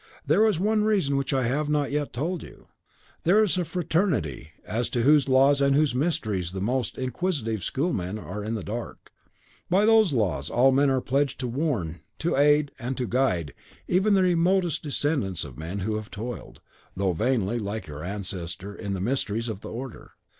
There is one reason which I have not yet told you. There is a fraternity as to whose laws and whose mysteries the most inquisitive schoolmen are in the dark. By those laws all are pledged to warn, to aid, and to guide even the remotest descendants of men who have toiled, though vainly, like your ancestor, in the mysteries of the Order.